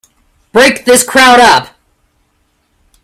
Break this crowd up!